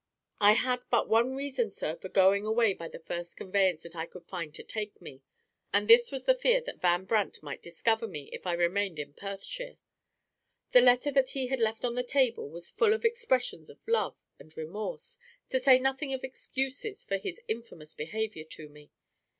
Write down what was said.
"I had but one reason, sir, for going away by the first conveyance that I could find to take me, and this was the fear that Van Brandt might discover me if I remained in Perthshire. The letter that he had left on the table was full of expressions of love and remorse, to say nothing of excuses for his infamous behavior to me.